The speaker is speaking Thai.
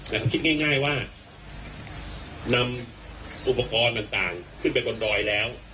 นะครับคิดง่ายง่ายว่านำอุปกรณ์ต่างต่างขึ้นไปบนดอยแล้ว